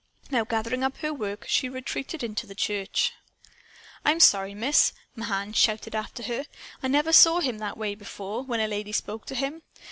Now, gathering up her work, she retreated into the church. "I'm sorry, Miss!" Mahan shouted after her. "I never saw him that way, before, when a lady spoke to him.